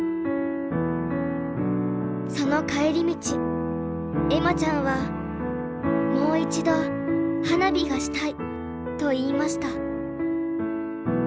その帰り道恵麻ちゃんは「もう一度花火がしたい」と言いました。